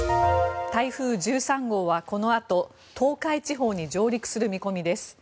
台風１３号はこのあと東海地方に上陸する見込みです。